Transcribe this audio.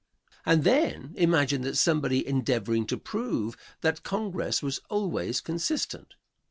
And then imagine that somebody endeavoring to prove that Congress was always consistent.